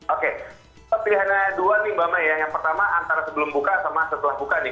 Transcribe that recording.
oke pilihan yang dua nih mbak may yang pertama antara sebelum buka sama setelah buka nih